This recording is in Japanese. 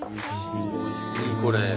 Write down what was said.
おいしいこれ。